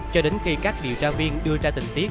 cho đến khi các điều tra viên đưa ra tình tiết